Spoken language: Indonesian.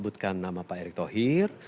dan nama pak erick thohir